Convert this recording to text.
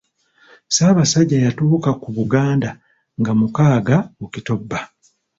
Ssaabasajja yatuuka ku Buganda nga mukaaga October.